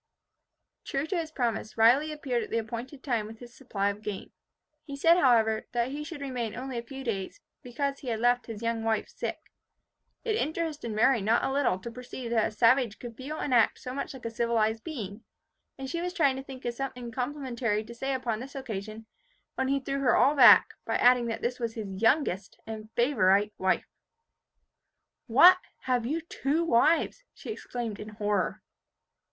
True to his promise, Riley appeared at the appointed time with his supply of game. He said, however, that he should remain only a few days, because he had left his young wife sick. It interested Mary not a little to perceive that a savage could feel and act so much like a civilized being; and she was trying to think of something complimentary to say upon this occasion, when he threw her all aback, by adding, that this was his youngest and favourite wife. "What! have you two wives?" she exclaimed in horror.